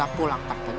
aku akan menang